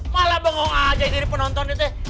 malah bengong aja jadi penonton itu